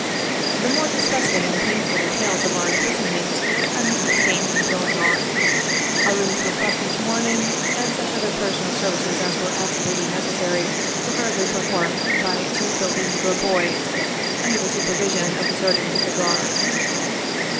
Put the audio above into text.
The more dis gusting and painful details of our imprisonment, I must ab stain from dwelling on. Our rooms were swept each morn ing, and such other personal services as were absolutely ne cessary, were hurriedly performed by two filthy negro boys, under the supervision of the Sergeant of the Guard.